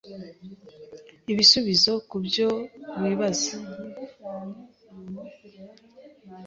Ibisubizo ku byo wibaza